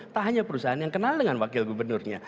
tak hanya perusahaan yang kenal dengan wakil gubernurnya